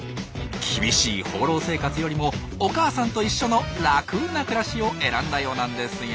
厳しい放浪生活よりもお母さんと一緒の楽な暮らしを選んだようなんですよ。